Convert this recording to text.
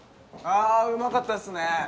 あうまかったですね